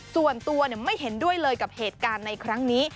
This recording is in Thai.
ส่วนตัวไม่เห็นด้วยเลยกับเหตุการณ์ในครั้งนี้